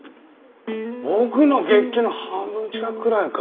僕の月給の半分近くくらいか。